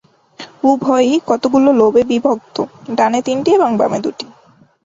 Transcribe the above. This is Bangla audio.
উভয়ই কতগুলো লোব-এ বিভক্ত, ডানে তিনটি এবং বামে দুটি।